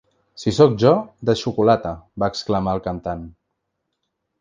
Si sóc jo, de xocolata!, va exclamar el cantant.